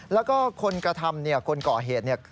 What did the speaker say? แล้วก็คนกระทำเนี่ยคนก่อเหตุเนี่ย